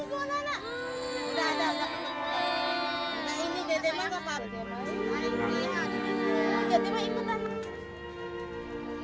tentu berat bagi alif untuk menerima fakta